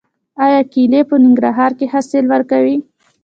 آیا کیلې په ننګرهار کې حاصل ورکوي؟